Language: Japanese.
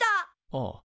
ああ。